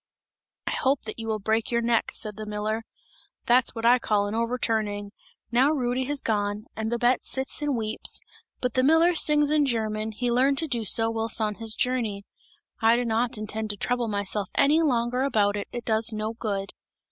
'I hope that you will break your neck!' said the miller. That's what I call an overturning! Now Rudy has gone, and Babette sits and weeps; but the miller sings in German, he learned to do so whilst on his journey! I do not intend to trouble myself any longer about it, it does no good!"